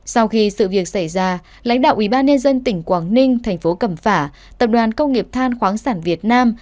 sau khi sự việc xảy ra lãnh đạo ủy ban nhân dân tỉnh quảng ninh thành phố cẩm phả tập đoàn công nghiệp than khoáng sản việt nam